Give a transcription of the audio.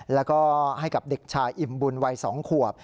แล้วก็ให้กับเด็กชายอิ่มบุญวัย๒ขวบ